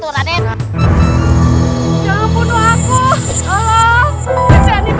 raden atuh raden